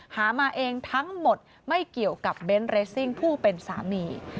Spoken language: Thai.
หามาเองทั้งหมดไม่เกี่ยวกับเบนท์เรซิ่งผู้เป็นสามี